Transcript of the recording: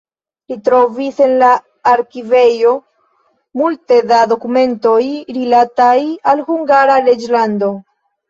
Li trovis en la arkivejo multe da dokumentoj rilataj al Hungara reĝlando.